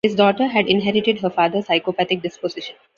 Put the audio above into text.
His daughter had inherited her father's psychopathic disposition.